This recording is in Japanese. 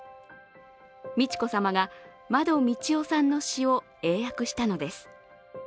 美智子さまが、まど・みちおさんの詩を英訳したのです。